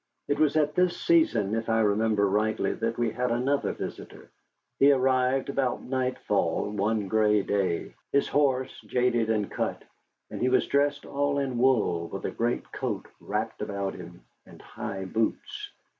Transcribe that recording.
It was at this season, if I remember rightly, that we had another visitor. He arrived about nightfall one gray day, his horse jaded and cut, and he was dressed all in wool, with a great coat wrapped about him, and high boots.